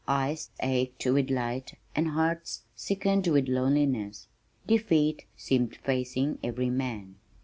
Eyes ached with light and hearts sickened with loneliness. Defeat seemed facing every man.